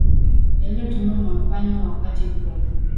yaliyotumiwa na wafalme wa wakati huo